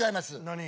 何？